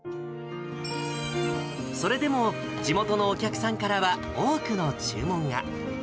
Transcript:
それでも、地元のお客さんからは、多くの注文が。